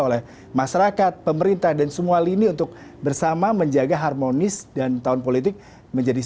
oleh masyarakat pemerintah dan semua lini untuk bersama menjaga harmonis dan tahun politik menjadi